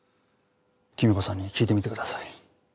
貴美子さんに聞いてみてください。